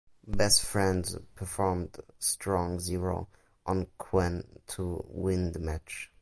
Best Friends performed "Strong Zero" on Quen to win the match.